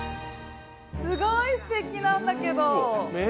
すごいすてきなんだけど。